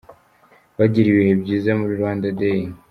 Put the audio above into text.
Bagiriye ibihe byiza muri Rwanda Day.